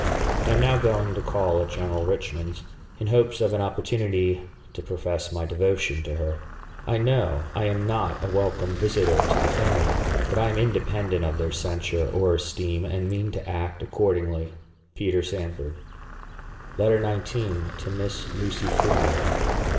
I am now going to call at General Richman's, in hopes of an opportunity to profess my devotion to her. I know I am not a welcome visitor to the family; but I am independent of their censure or esteem, and mean to act accordingly. PETER SANFORD. LETTER XIX. TO MISS LUCY FREEMAN.